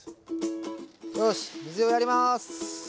よし水をやります。